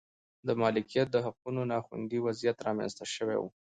د مالکیت د حقونو نا خوندي وضعیت رامنځته شوی و.